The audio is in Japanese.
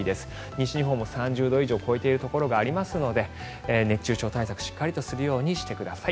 西日本も３０度以上を超えているところがありますので熱中症対策しっかりとするようにしてください。